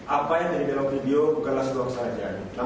apa yang terjadi dalam video bukanlah sebuah kesalahan